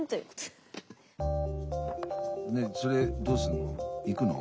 それどうすんの？